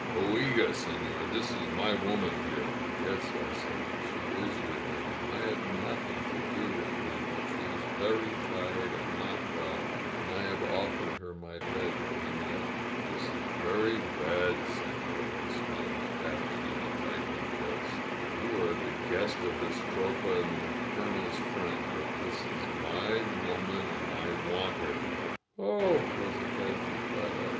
Oiga^ seiior, this is my woman here !" "Yes," I said. "She is your woman. I have noth ing to do with her. But she is very tired and not well, and I have offered her my bed for the night." "This is very bad, sefior!" exclaimed the Captain, in a tightening voice. "You are the guest of this 106 ELIZABETTA Tropa and the Colonel's friend, but this is my woman and I want her " "Oh!" Elizabetta cried out.